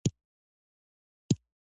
• ژړا د ژوند یوه اړتیا ده.